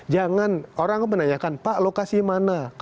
jangan orang menanyakan pak lokasi mana